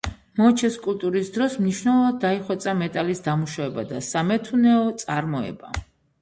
მოჩეს კულტურის დროს მნიშვნელოვნად დაიხვეწა მეტალის დამუშავება და სამეთუნეო წარმოება.